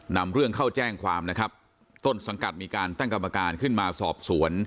นำเรื่องเข้าแจ้งความนะครับต้นสังกัดมีการตั้งกรรมการขึ้นมาสอบสวน